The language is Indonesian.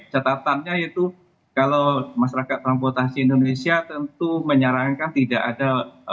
catatannya itu kalau masyarakat transportasi indonesia tentu menyarankan tidak ada